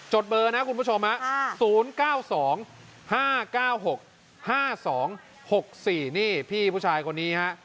ดเบอร์นะคุณผู้ชม๐๙๒๕๙๖๕๒๖๔นี่พี่ผู้ชายคนนี้ฮะ